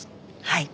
はい。